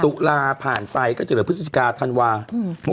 ตุลาผ่านไปก็จะเหลือพฤศจิกาธันวาคม